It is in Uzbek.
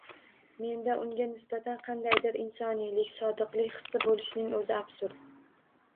Menda unga nisbatan qandaydir insoniy sodiqlik hissi boʻlishining oʻzi absurd.